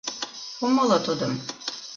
Умыло тудым!